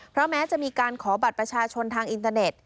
เพราะแม้จะมีการขอบัตรประชาชนทางอินเตอร์เน็ต